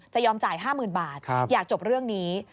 ยอมจ่าย๕๐๐๐บาทอยากจบเรื่องนี้